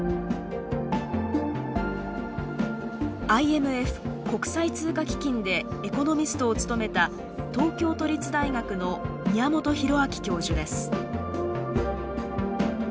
ＩＭＦ国際通貨基金でエコノミストを務めた東京都立大学の宮本弘曉教授です。